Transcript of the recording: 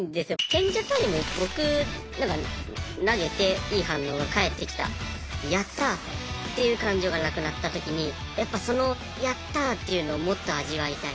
賢者タイム僕投げていい反応が返ってきたやったっていう感情がなくなった時にやっぱそのやったっていうのをもっと味わいたい。